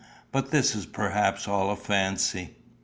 But this is perhaps all a fancy."